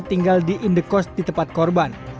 tinggal di indekos di tempat korban